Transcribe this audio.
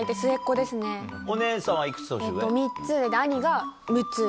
お姉さんはいくつ年上？